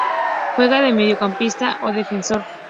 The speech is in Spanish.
Juega de mediocampista o defensor.